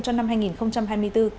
cho năm hai nghìn hai mươi bốn